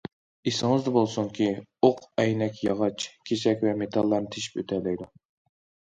ئېسىڭىزدە بولسۇنكى، ئوق ئەينەك، ياغاچ، كېسەك ۋە مېتاللارنى تېشىپ ئۆتەلەيدۇ.